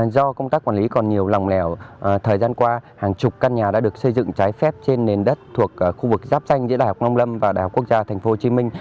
do công tác quản lý còn nhiều lòng lẻo thời gian qua hàng chục căn nhà đã được xây dựng trái phép trên nền đất thuộc khu vực giáp danh giữa đại học nông lâm và đại học quốc gia tp hcm